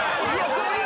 そうそう。